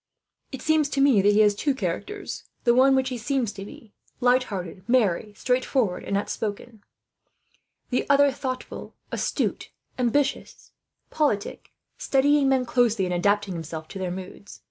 It seems to me that he has two characters: the one what he seems to be light hearted, merry, straightforward, and outspoken; the other thoughtful, astute, ambitious, and politic, studying men closely, and adapting himself to their moods.